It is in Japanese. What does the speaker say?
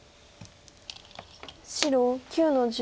白９の十。